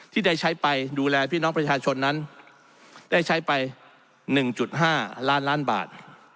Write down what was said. ที่ได้ใช้ไปดูแลพี่น้องประชาชนนั้นได้ใช้ไป๑๕ล้านล้านบาท